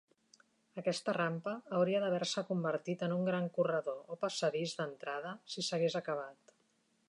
Aquesta rampa hauria d'haver-se convertit en un gran corredor o passadís d'entrada si s'hagués acabat.